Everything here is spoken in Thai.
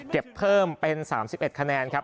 เพิ่มเป็น๓๑คะแนนครับ